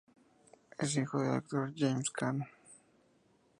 Es hijo del actor James Caan.